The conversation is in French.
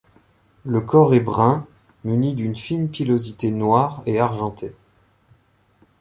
Le corps est brun muni d'une fine pillosité noire et argentée.